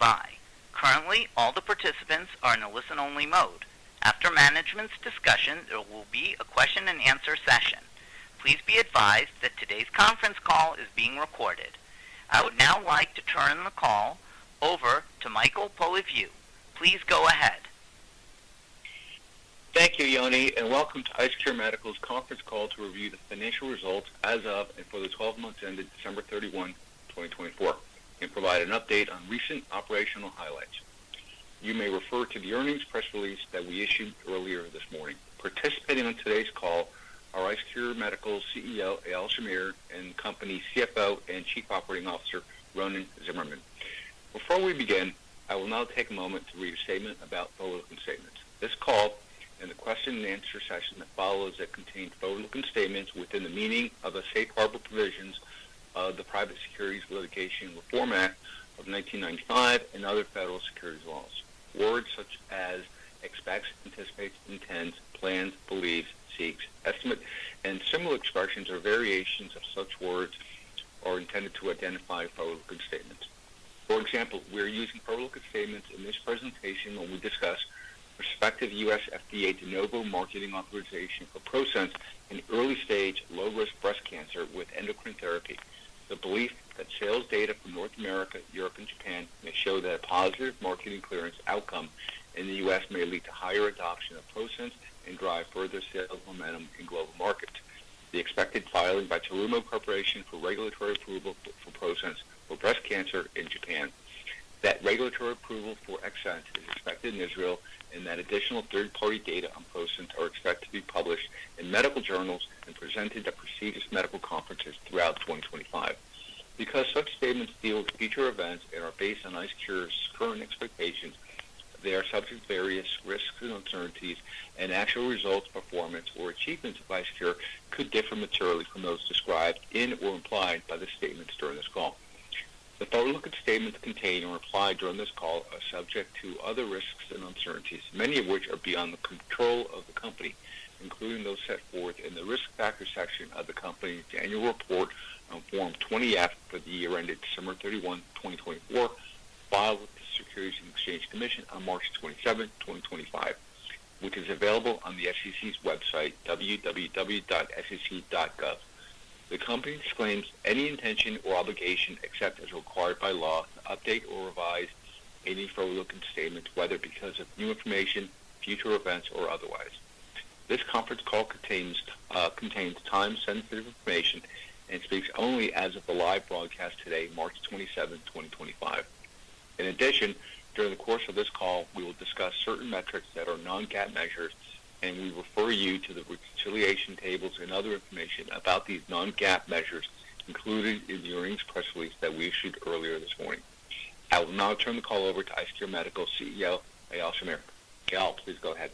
Good morning, and thank you for standing by. Currently, all the participants are in a listen-only mode. After management's discussion, there will be a question-and-answer session. Please be advised that today's conference call is being recorded. I would now like to turn the call over to Michael Polyviou. Please go ahead. Thank you, Yoni, and welcome to IceCure Medical's conference call to review the financial results as of and for the 12 months ended December 31st, 2024, and provide an update on recent operational highlights. You may refer to the earnings press release that we issued earlier this morning. Participating in today's call are IceCure Medical CEO Eyal Shamir and company CFO and Chief Operating Officer Ronen Tsimerman. Before we begin, I will now take a moment to read a statement about forward-looking statements. This call and the question-and-answer session that follows that contain forward-looking statements within the meaning of the safe harbor provisions of the Private Securities Litigation Reform Act of 1995 and other federal securities laws. Words such as expects, anticipates, intends, plans, believes, seeks, estimate, and similar expressions or variations of such words are intended to identify forward-looking statements. For example, we are using forward-looking statements in this presentation when we discuss prospective U.S. FDA de novo marketing authorization for ProSense in early-stage low-risk breast cancer with endocrine therapy. The belief that sales data from North America, Europe, and Japan may show that a positive marketing clearance outcome in the U.S. may lead to higher adoption of ProSense and drive further sales momentum in global markets. The expected filing by Terumo Corporation for regulatory approval for ProSense for breast cancer in Japan. That regulatory approval for XSense is expected in Israel, and that additional third-party data on ProSense are expected to be published in medical journals and presented at prestigious medical conferences throughout 2025. Because such statements deal with future events and are based on IceCure's current expectations, they are subject to various risks and uncertainties, and actual results, performance, or achievements of IceCure could differ materially from those described in or implied by the statements during this call. The forward-looking statements contained or implied during this call are subject to other risks and uncertainties, many of which are beyond the control of the company, including those set forth in the risk factor section of the company's annual report on Form 20-F for the year ended December 31st, 2024, filed with the Securities and Exchange Commission on March 27th, 2025, which is available on the SEC's website, www.sec.gov. The company disclaims any intention or obligation except as required by law to update or revise any forward-looking statements, whether because of new information, future events, or otherwise. This conference call contains time-sensitive information and speaks only as of the live broadcast today, March 27th, 2025. In addition, during the course of this call, we will discuss certain metrics that are non-GAAP measures, and we refer you to the reconciliation tables and other information about these non-GAAP measures, including in the earnings press release that we issued earlier this morning. I will now turn the call over to IceCure Medical CEO Eyal Shamir. Eyal, please go ahead.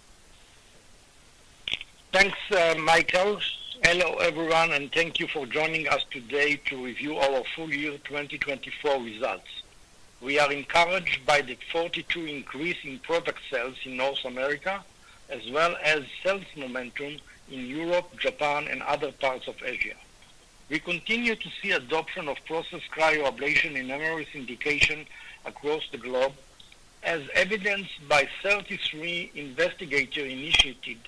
Thanks, Michael. Hello, everyone, and thank you for joining us today to review our full year 2024 results. We are encouraged by the 42% increase in product sales in North America, as well as sales momentum in Europe, Japan, and other parts of Asia. We continue to see adoption of ProSense cryoablation and MRI indication across the globe, as evidenced by 33 investigator-initiated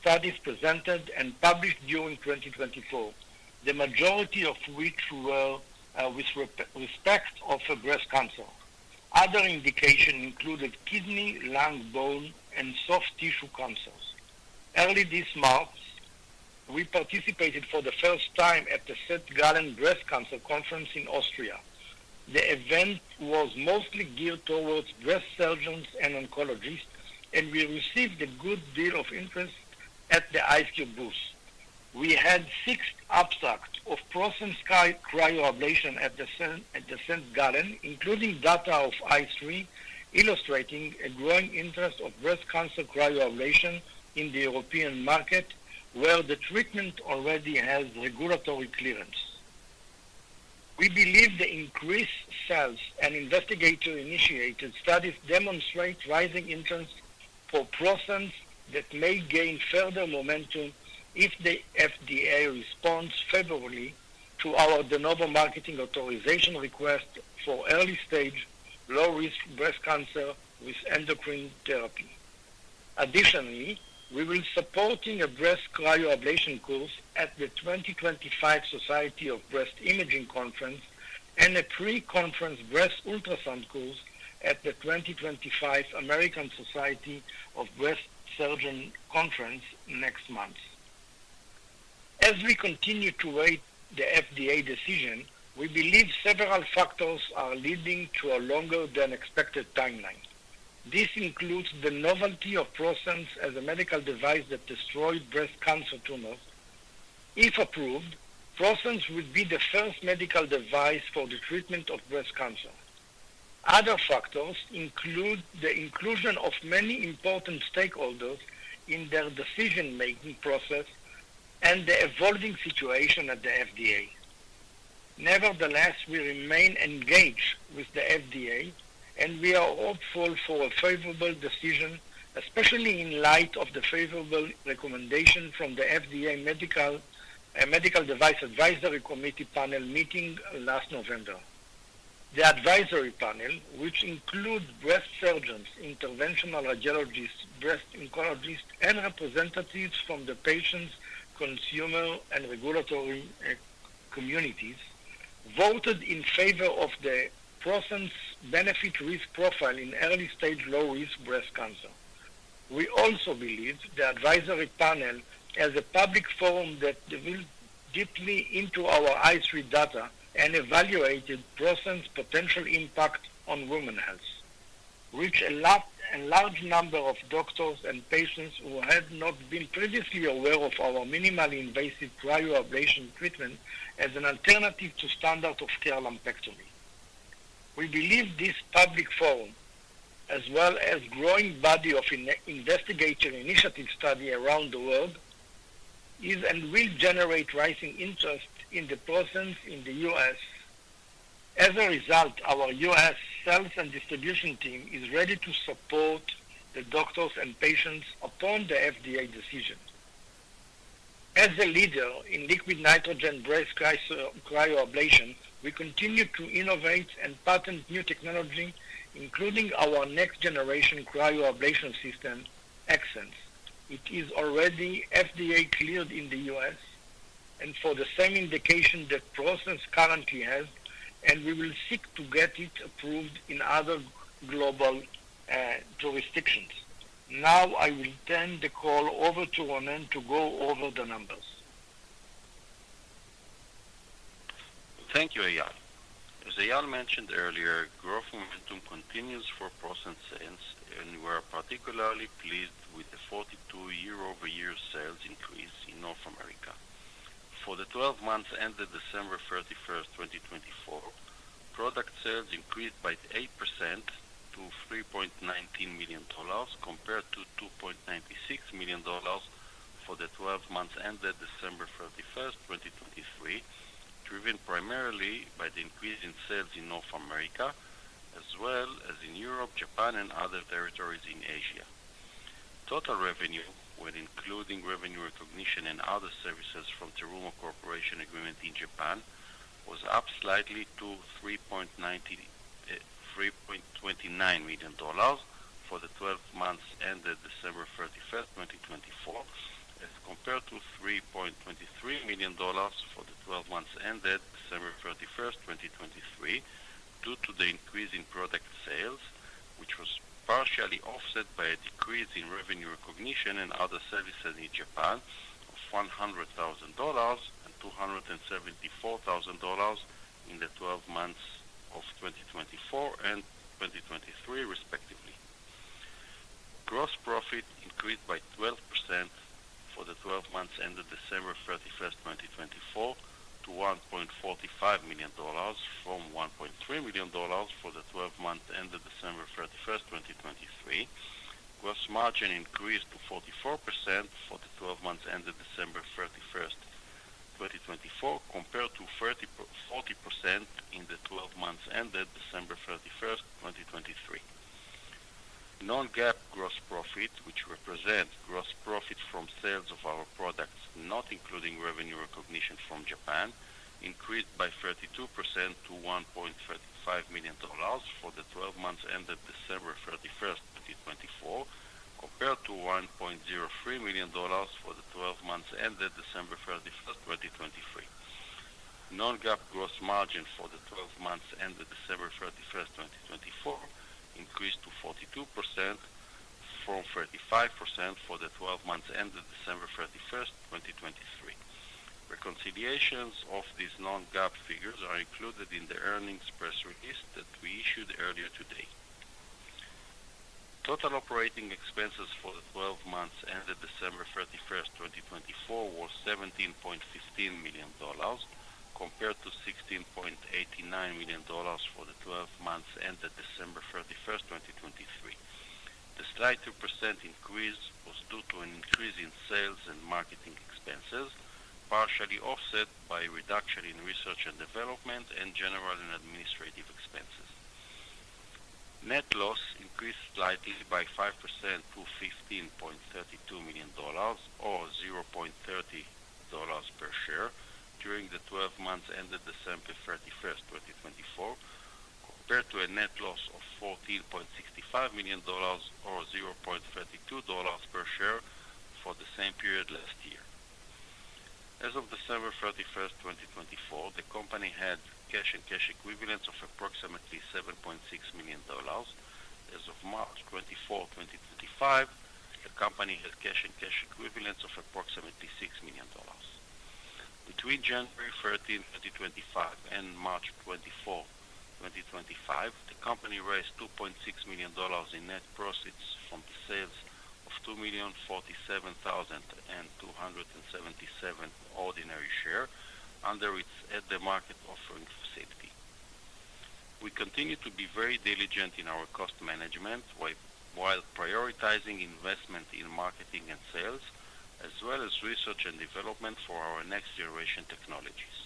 studies presented and published during 2024, the majority of which were with respect to breast cancer. Other indications included kidney, lung, bone, and soft tissue cancers. Early this month, we participated for the first time at the St. Gallen Breast Cancer Conference in Austria. The event was mostly geared towards breast surgeons and oncologists, and we received a good deal of interest at the IceCure booth. We had six abstracts of ProSense cryoablation at the St. Gallen, including data of ICE3, illustrating a growing interest of breast cancer cryoablation in the European market, where the treatment already has regulatory clearance. We believe the increased sales and investigator-initiated studies demonstrate rising interest for ProSense that may gain further momentum if the FDA responds favorably to our de novo marketing authorization request for early-stage low-risk breast cancer with endocrine therapy. Additionally, we will be supporting a breast cryoablation course at the 2025 Society of Breast Imaging Conference and a pre-conference breast ultrasound course at the 2025 American Society of Breast Surgeons Conference next month. As we continue to await the FDA decision, we believe several factors are leading to a longer-than-expected timeline. This includes the novelty of ProSense as a medical device that destroys breast cancer tumors. If approved, ProSense would be the first medical device for the treatment of breast cancer. Other factors include the inclusion of many important stakeholders in their decision-making process and the evolving situation at the FDA. Nevertheless, we remain engaged with the FDA, and we are hopeful for a favorable decision, especially in light of the favorable recommendation from the FDA Medical Device Advisory Committee panel meeting last November. The advisory panel, which includes breast surgeons, interventional radiologists, breast oncologists, and representatives from the patients, consumer, and regulatory communities, voted in favor of the ProSense benefit-risk profile in early-stage low-risk breast cancer. We also believe the advisory panel, as a public forum that delved deeply into our ICE3 data and evaluated ProSense's potential impact on women's health, reached a large number of doctors and patients who had not been previously aware of our minimally invasive cryoablation treatment as an alternative to standard of care lumpectomy. We believe this public forum, as well as a growing body of investigator-initiated studies around the world, is and will generate rising interest in ProSense in the U.S. As a result, our U.S. sales and distribution team is ready to support the doctors and patients upon the FDA decision. As a leader in liquid nitrogen breast cryoablation, we continue to innovate and patent new technology, including our next-generation cryoablation system, XSense. It is already FDA-cleared in the U.S. and for the same indication that ProSense currently has, and we will seek to get it approved in other global jurisdictions. Now, I will turn the call over to Ronen to go over the numbers. Thank you, Eyal. As Eyal mentioned earlier, growth momentum continues for ProSense and we are particularly pleased with the 42% year-over-year sales increase in North America. For the 12 months ended December 31st, 2024, product sales increased by 8% to $3.19 million compared to $2.96 million for the 12 months ended December 31, 2023, driven primarily by the increase in sales in North America, as well as in Europe, Japan, and other territories in Asia. Total revenue, when including revenue recognition and other services from the Terumo Corporation agreement in Japan, was up slightly to $3.29 million for the 12 months ended December 31st, 2024, as compared to $3.23 million for the 12 months ended December 31st, 2023, due to the increase in product sales, which was partially offset by a decrease in revenue recognition and other services in Japan of $100,000 and $274,000 in the 12 months of 2024 and 2023, respectively. Gross profit increased by 12% for the 12 months ended December 31st, 2024, to $1.45 million from $1.3 million for the 12 months ended December 31st, 2023. Gross margin increased to 44% for the 12 months ended December 31st, 2024, compared to 40% in the 12 months ended December 31, 2023. Non-GAAP gross profit, which represents gross profit from sales of our products, not including revenue recognition from Japan, increased by 32% to $1.35 million for the 12 months ended December 31st, 2024, compared to $1.03 million for the 12 months ended December 31st, 2023. Non-GAAP gross margin for the 12 months ended December 31st, 2024, increased to 42% from 35% for the 12 months ended December 31st, 2023. Reconciliations of these non-GAAP figures are included in the earnings press release that we issued earlier today. Total operating expenses for the 12 months ended December 31st, 2024, were $17.15 million compared to $16.89 million for the 12 months ended December 31st, 2023. The slight 2% increase was due to an increase in sales and marketing expenses, partially offset by a reduction in research and development and general and administrative expenses. Net loss increased slightly by 5% to $15.32 million or $0.30 per share during the 12 months ended December 31st, 2024, compared to a net loss of $14.65 million or $0.32 per share for the same period last year. As of December 31st, 2024, the company had cash and cash equivalents of approximately $7.6 million. As of March 24, 2025, the company had cash and cash equivalents of approximately $6 million. Between January 13th, 2025, and March 24th, 2025, the company raised $2.6 million in net proceeds from the sales of 2,047,277 ordinary shares under its at-the-market offering facility. We continue to be very diligent in our cost management while prioritizing investment in marketing and sales, as well as research and development for our next-generation technologies.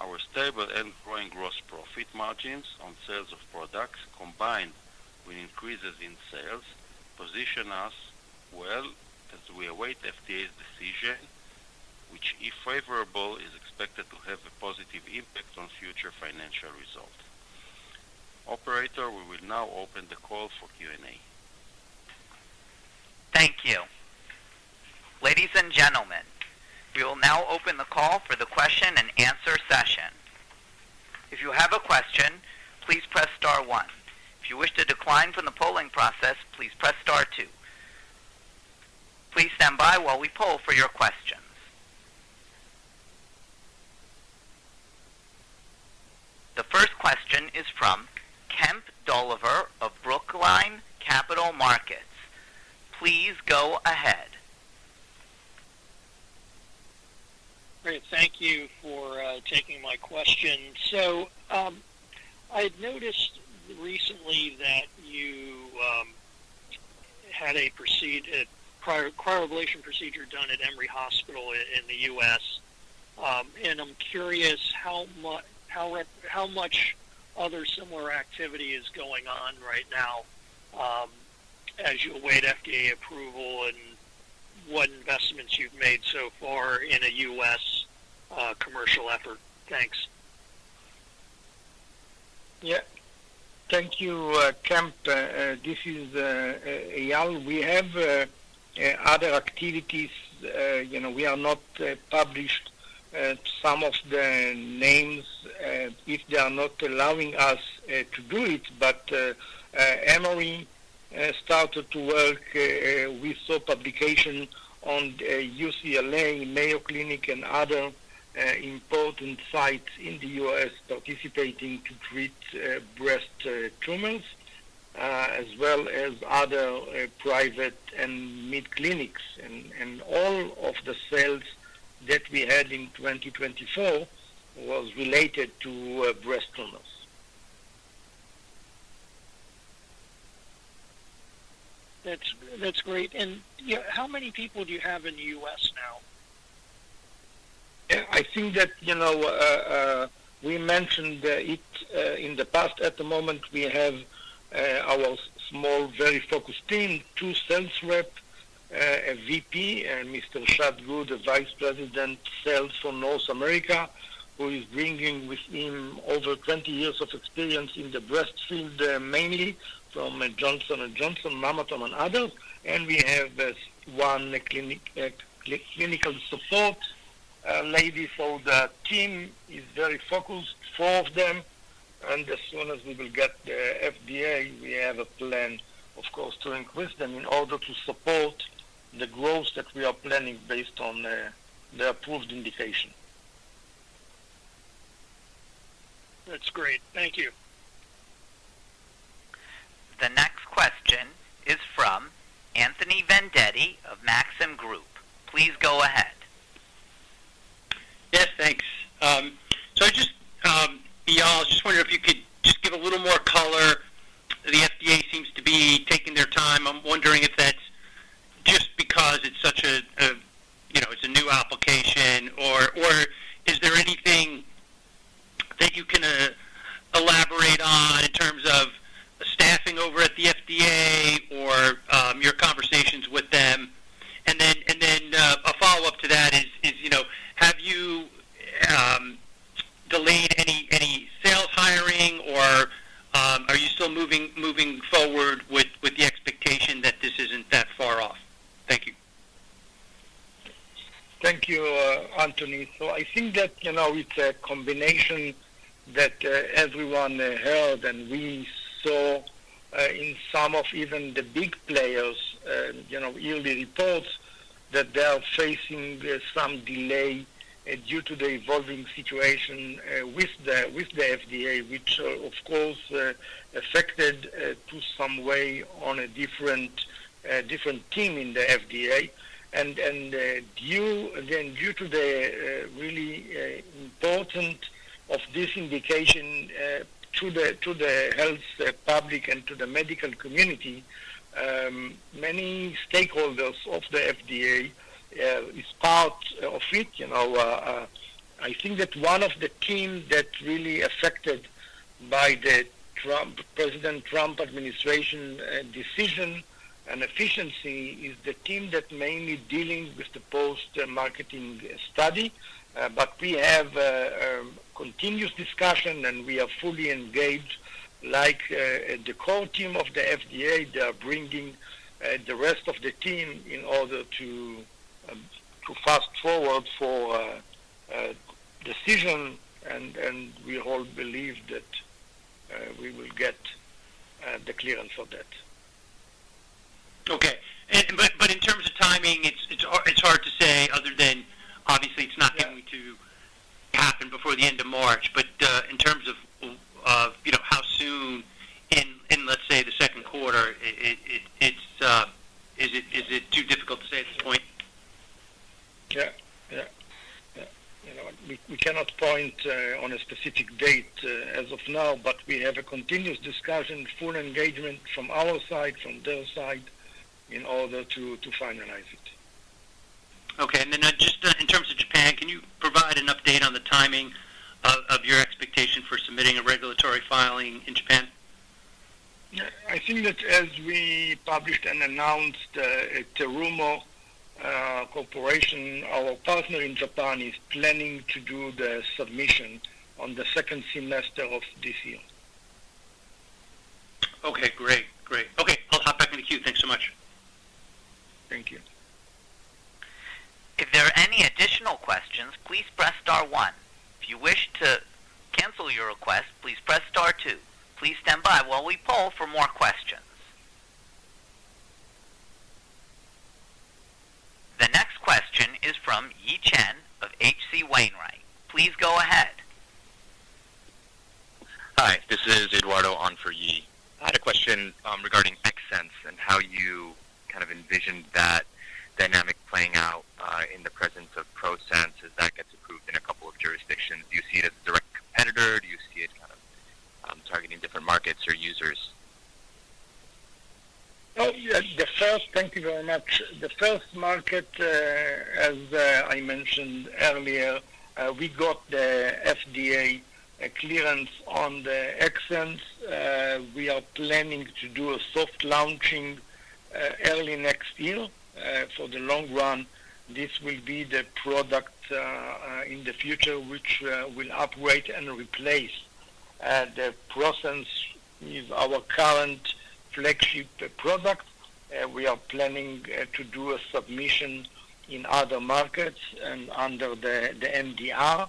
Our stable and growing gross profit margins on sales of products, combined with increases in sales, position us well as we await FDA's decision, which, if favorable, is expected to have a positive impact on future financial results. Operator, we will now open the call for Q&A. Thank you. Ladies and gentlemen, we will now open the call for the question-and-answer session. If you have a question, please press star one. If you wish to decline from the polling process, please press star two. Please stand by while we poll for your questions. The first question is from Kemp Dolliver of Brookline Capital Markets. Please go ahead. Great. Thank you for taking my question. I had noticed recently that you had a cryoablation procedure done at Emory Hospital in the U.S., and I'm curious how much other similar activity is going on right now as you await FDA approval and what investments you've made so far in a U.S. commercial effort. Thanks. Yeah. Thank you, Kemp. This is Eyal. We have other activities. We are not published some of the names if they are not allowing us to do it, but Emory started to work with publication on UCLA, Mayo Clinic, and other important sites in the U.S. participating to treat breast tumors, as well as other private and mid-clinics. All of the sales that we had in 2024 was related to breast tumors. That's great. How many people do you have in the U.S. now? Yeah. I think that we mentioned it in the past. At the moment, we have our small, very focused team, two sales reps, a VP, and Mr. Shad Good, the Vice President, Sales for North America, who is bringing with him over 20 years of experience in the breast field, mainly from Johnson & Johnson, Mammotome, and others. We have one clinical support lady, so the team is very focused, four of them. As soon as we will get the FDA, we have a plan, of course, to increase them in order to support the growth that we are planning based on the approved indication. That's great. Thank you. The next question is from Anthony Vendetti of Maxim Group. Please go ahead. Yes, thanks. Just, Eyal, I was just wondering if you could just give a little more color. The FDA seems to be taking their time. I'm wondering if that's just because it's such a—it's a new application. Is there anything that you can elaborate on in terms of staffing over at the FDA or your conversations with them? A follow-up to that is, have you delayed any sales hiring, or are you still moving forward with the expectation that this isn't that far off? Thank you. Thank you, Anthony. I think that it's a combination that everyone heard and we saw in some of even the big players' yearly reports that they are facing some delay due to the evolving situation with the FDA, which, of course, affected to some way on a different team in the FDA. Again, due to the really importance of this indication to the health public and to the medical community, many stakeholders of the FDA are part of it. I think that one of the teams that's really affected by the President Trump administration decision and efficiency is the team that's mainly dealing with the post-marketing study. We have continuous discussion, and we are fully engaged like the core team of the FDA. They are bringing the rest of the team in order to fast forward for decision, and we all believe that we will get the clearance for that. Okay. In terms of timing, it's hard to say other than, obviously, it's not going to happen before the end of March. In terms of how soon in, let's say, the second quarter, is it too difficult to say at this point? Yeah. Yeah. Yeah. We cannot point on a specific date as of now, but we have a continuous discussion, full engagement from our side, from their side, in order to finalize it. Okay. In terms of Japan, can you provide an update on the timing of your expectation for submitting a regulatory filing in Japan? Yeah. I think that as we published and announced at Terumo Corporation, our partner in Japan is planning to do the submission on the second semester of this year. Okay. Great. Great. Okay. I'll hop back into the queue. Thanks so much. Thank you. If there are any additional questions, please press star one. If you wish to cancel your request, please press star two. Please stand by while we poll for more questions. The next question is from Yi Chen of H.C. Wainwright. Please go ahead. Hi. This is Eduardo on for Yi. I had a question regarding XSense and how you kind of envision that dynamic playing out in the presence of ProSense as that gets approved in a couple of jurisdictions. Do you see it as a direct competitor? Do you see it kind of targeting different markets or users? Oh, yes. Thank you very much. The first market, as I mentioned earlier, we got the FDA clearance on the XSense. We are planning to do a soft launching early next year. For the long run, this will be the product in the future which will upgrade and replace the ProSense with our current flagship product. We are planning to do a submission in other markets under the MDR.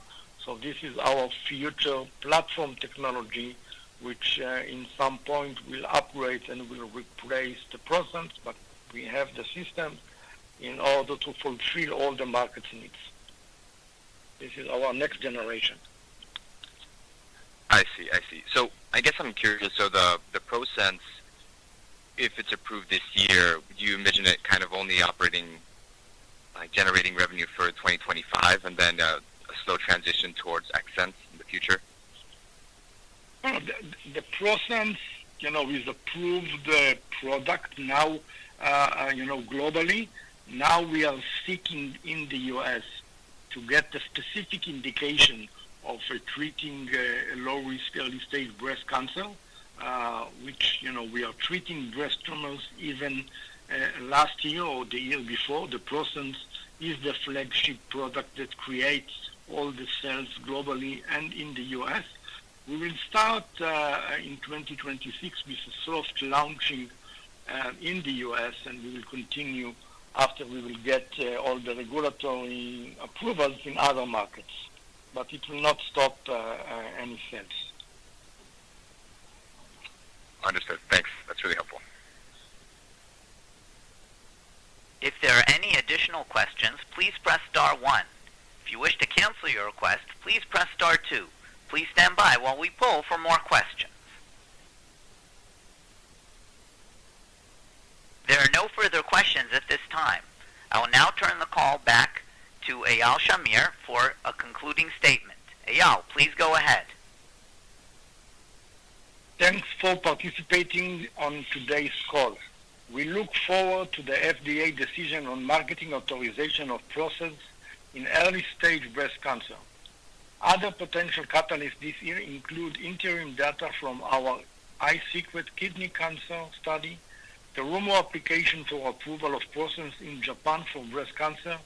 This is our future platform technology which, at some point, will upgrade and will replace the ProSense, but we have the system in order to fulfill all the market needs. This is our next generation. I see. I see. I guess I'm curious. The ProSense, if it's approved this year, do you envision it kind of only generating revenue for 2025 and then a slow transition towards XSense in the future? The ProSense is the approved product now globally. Now we are seeking in the U.S. to get the specific indication of treating low-risk early-stage breast cancer, which we are treating breast tumors even last year or the year before. The ProSense is the flagship product that creates all the sales globally and in the U.S. We will start in 2026 with a soft launching in the U.S., and we will continue after we will get all the regulatory approvals in other markets. It will not stop any sales. Understood. Thanks. That's really helpful. If there are any additional questions, please press star one. If you wish to cancel your request, please press star two. Please stand by while we poll for more questions. There are no further questions at this time. I will now turn the call back to Eyal Shamir for a concluding statement. Eyal, please go ahead. Thanks for participating on today's call. We look forward to the FDA decision on marketing authorization of ProSense in early-stage breast cancer. Other potential catalysts this year include interim data from our IceCure Kidney Cancer study, the Terumo application for approval of ProSense in Japan for breast cancer,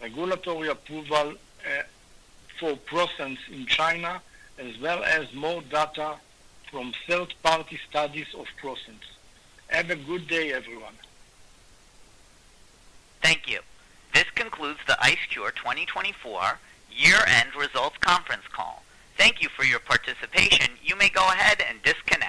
regulatory approval for ProSense in China, as well as more data from third-party studies of ProSense. Have a good day, everyone. Thank you. This concludes the IceCure 2024 year-end results conference call. Thank you for your participation. You may go ahead and disconnect.